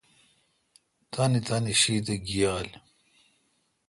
تانی تانی شی تہ گییال۔